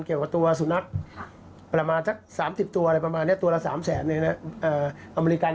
เกี่ยวกับตัวสุนัขประมาณสัก๓๐ตัวอะไรประมาณนี้ตัวละ๓แสนอเมริกัน